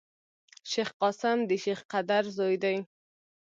شېخ قاسم دشېخ قدر زوی دﺉ.